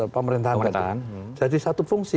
pemerintahan jadi satu fungsi